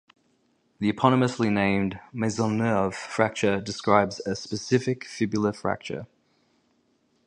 The eponymously named Maisonneuve fracture describes a specific fibular fracture.